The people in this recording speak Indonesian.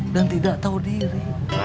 dan tidak tau diri